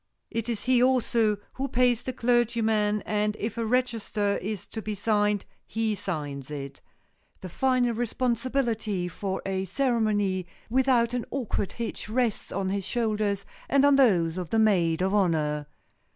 It is he, also, who pays the clergyman and if a register is to be signed, he signs it. The final responsibility for a ceremony without an awkward hitch rests on his shoulders and on those of the maid of honor.